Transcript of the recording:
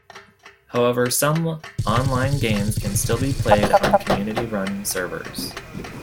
However, some online games can still be played on community-run servers.